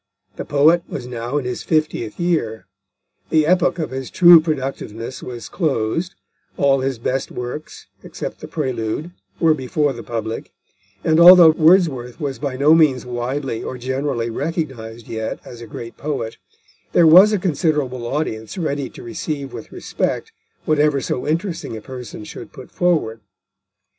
The poet was now in his fiftieth year. The epoch of his true productiveness was closed; all his best works, except The Prelude, were before the public, and although Wordsworth was by no means widely or generally recognised yet as a great poet, there was a considerable audience ready to receive with respect whatever so interesting a person should put forward.